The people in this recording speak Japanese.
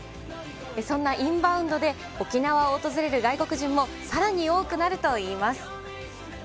そんなインバウンドで沖縄を訪れる外国人もさらに多くなるといいます。